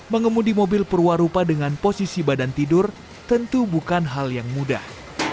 mengemudi mobil perwarupa dengan posisi badan tidur tentu bukan hal yang mudah